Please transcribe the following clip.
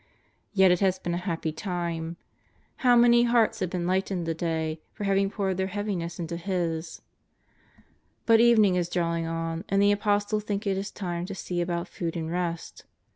Yes, it has been a happy time; how many hearts have beep JESrS OF NAZARETH. 239. lightened to day for having poured their heaviness into His! But evening is drawing on and the Apostles think it is time to see about food and rest.